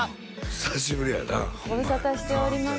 久しぶりやなホンマにご無沙汰しております